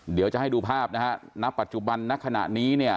เดี๋ยวจะให้ดูภาพนะฮะณปัจจุบันณขณะนี้เนี่ย